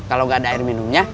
kalau nggak ada air minumnya